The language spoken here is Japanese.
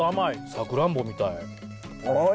サクランボみたい。